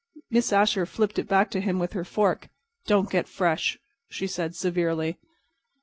Miss Asher flipped it back to him with her fork. "Don't get fresh," she said, severely.